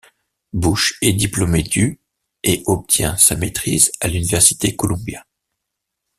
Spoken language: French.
Busch est diplômé du et obtient sa maitrise à l'Université Columbia.